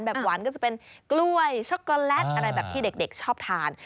หวานก็จะเป็นกล้วยช็อกโกแลตอะไรแบบที่เด็กชอบทาน